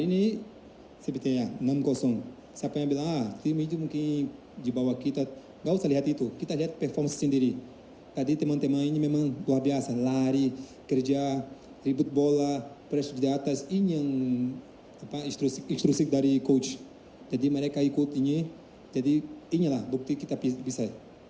ini yang ekstrusif dari coach jadi mereka ikut ini jadi inilah bukti kita bisa